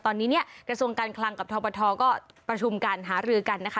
ตอนนี้เนี่ยกระทรวงการคลังกับทบทก็ประชุมกันหารือกันนะคะ